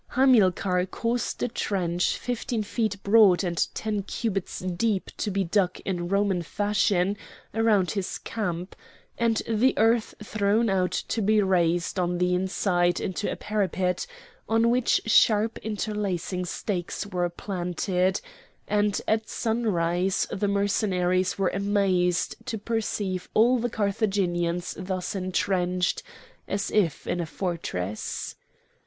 Hamilcar caused a trench fifteen feet broad and ten cubits deep to be dug in Roman fashion round his camp, and the earth thrown out to be raised on the inside into a parapet, on which sharp interlacing stakes were planted; and at sunrise the Mercenaries were amazed to perceive all the Carthaginians thus entrenched as if in a fortress.